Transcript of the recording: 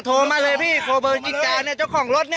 โทรมาเลยพี่โทรเบอร์ขุมจิตจ์จารเนี่ยเจ้าของรถนี่